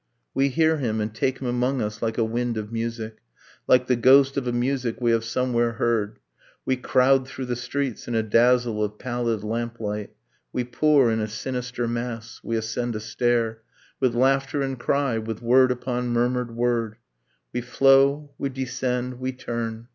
We hear him and take him among us like a wind of music, Like the ghost of a music we have somewhere heard; We crowd through the streets in a dazzle of pallid lamplight, We pour in a sinister mass, we ascend a stair, With laughter and cry, with word upon murmured word, We flow, we descend, we turn.